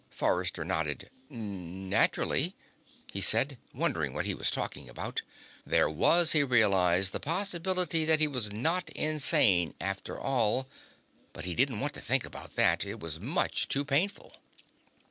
Forrester nodded. "Naturally," he said, wondering what he was talking about. There was, he realized, the possibility that he was not insane after all, but he didn't want to think about that. It was much too painful.